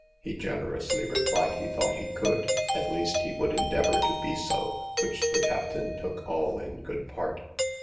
He generously replied he thought he could, at least he would endeavour to be so; which the captain took all in good part.